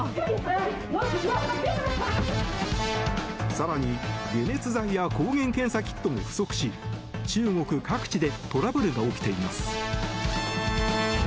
更に解熱剤や抗原検査キットも不足し中国各地でトラブルが起きています。